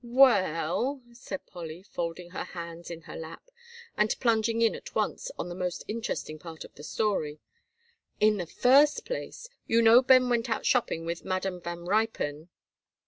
"Well," said Polly, folding her hands in her lap, and plunging in at once on the most interesting part of the story, "in the first place, you know Ben went out shopping with Madam Van Ruypen."